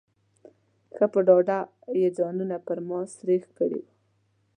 ښه په ډاډه یې ځانونه پر ما سرېښ کړي وو.